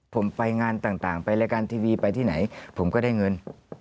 ผมไปงานต่างไปรายการทีวีไปที่ไหนผมก็ได้เงิน